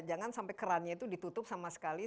jangan sampai kerannya itu ditutup sama sekali